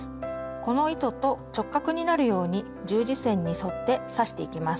この糸と直角になるように十字線に沿って刺していきます。